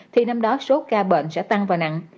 thì năm đó số ca bệnh sẽ tăng và nặng